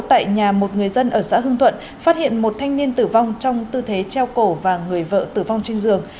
tại nhà một người dân ở xã hương thuận phát hiện một thanh niên tử vong trong tư thế treo cổ và người vợ tử vong trên giường